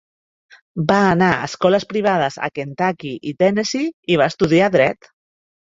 Va anar a escoles privades a Kentucky i Tennessee i va estudiar dret.